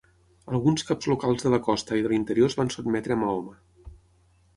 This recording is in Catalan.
Alguns caps locals de la costa i de l'interior es van sotmetre a Mahoma.